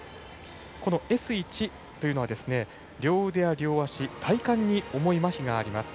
Ｓ１というのは、両腕や両足体幹に重いまひがあります。